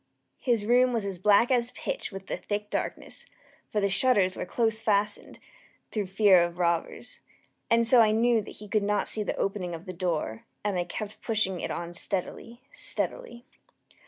His room was as black as pitch with the thick darkness, (for the shutters were close fastened, through fear of robbers,) and so I knew that he could not see the opening of the door, and I kept pushing it on steadily, steadily.